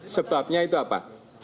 sebabnya itu apa